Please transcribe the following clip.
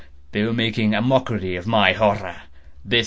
—they were making a mockery of my horror!